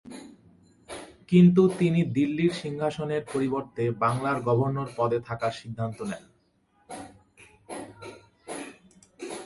কিন্তু তিনি দিল্লির সিংহাসনের পরিবর্তে বাংলার গভর্নর পদে থাকার সিদ্ধান্ত নেন।